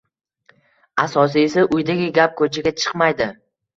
Asosiysi, uydagi gap ko`chaga chiqmaydi